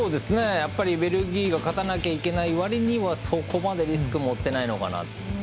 ベルギーが勝たなきゃいけないわりにはそこまでリスクを負っていないのかなと。